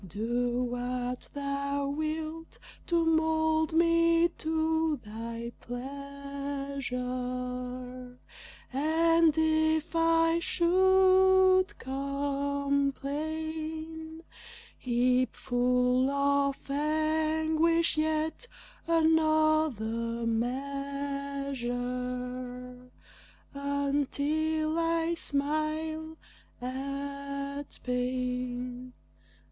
Do what thou wilt to mold me to thy pleasure, And if I should complain, Heap full of anguish yet another measure Until I smile at pain.